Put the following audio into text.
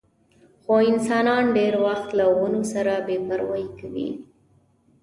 خو انسانان ډېر وخت له ونو سره بې پروايي کوي.